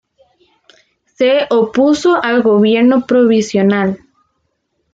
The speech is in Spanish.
Se opuso al gobierno provisional.